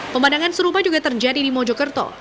pemandangan serupa juga terjadi di mojokerto